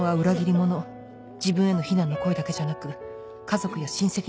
自分への非難の声だけじゃなく家族や親戚にも迷惑がかかる。